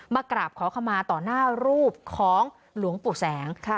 มากราบขอขมาต่อหน้ารูปของหลวงปู่แสง